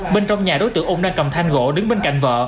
bên trong nhà đối tượng ung đang cầm thanh gỗ đứng bên cạnh vợ